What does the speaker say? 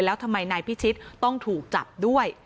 แล้วทำไมนายพิชิตต้องถูกจับด้วย